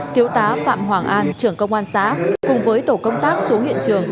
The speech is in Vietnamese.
thiếu tá phạm hoàng an trưởng công an xã cùng với tổ công tác xuống hiện trường